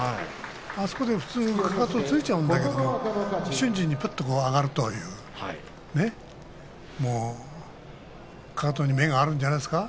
あそこで普通かかとをついちゃうんだけど瞬時に上がるというかかとに目があるんじゃないですか。